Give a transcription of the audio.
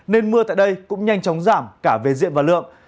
nên mưa tại đây cũng nhanh chóng giảm cả về diện và lượng